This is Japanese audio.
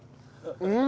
うん！